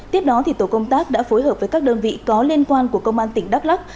tiếp đó tổ công tác đã phối hợp với các đơn vị có liên quan của công an tỉnh đắk lắc